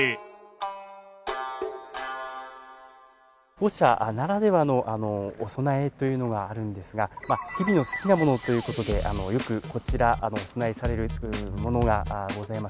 本社ならではのお供えというのがあるんですが蛇の好きなものということでよくお供えされるものがございます。